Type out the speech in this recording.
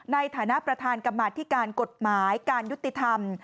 ในฐานะประธานกรรมาธิการกฎหมายการยุติธรรม